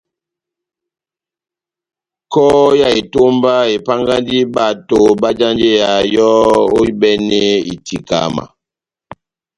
Kɔhɔ ya etómba epángandi bato bajanjeya yɔ́ ohibɛnɛ itikama.